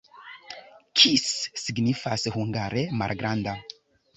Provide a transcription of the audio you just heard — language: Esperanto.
Kis signifas hungare malgranda.